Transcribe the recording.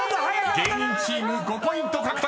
［芸人チーム５ポイント獲得です］